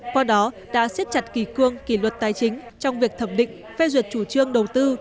qua đó đã xiết chặt kỳ cương kỳ luật tài chính trong việc thẩm định phê duyệt chủ trương đầu tư